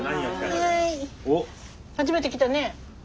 初めて来たね。